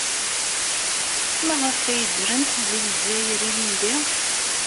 Maɣef ay ddrent deg Lezzayer ilindi?